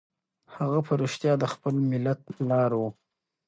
هغه په رښتیا د خپل ملت پلار و.